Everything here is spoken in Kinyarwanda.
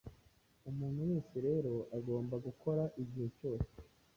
Umuntu wese rero agomba gukora igihe cyose